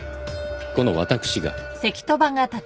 この私が。